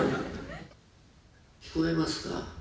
聞こえますか？